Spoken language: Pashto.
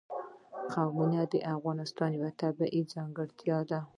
قومونه د افغانستان یوه طبیعي ځانګړتیا ده.